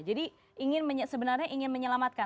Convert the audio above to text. jadi sebenarnya ingin menyelamatkan